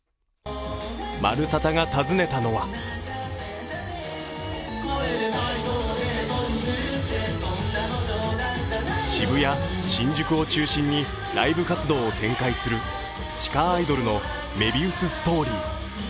「まるサタ」が訪ねたのは渋谷・新宿を中心にライブ活用を展開する地下アイドルのＭＥＶＩＵＳＳＴＯＲＹ。